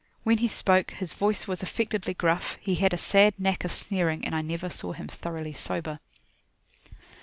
When he spoke, his voice was affectedly gruff; he had a sad knack of sneering, and I never saw him thoroughly sober.